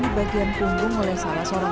di bagian punggung oleh salah seorang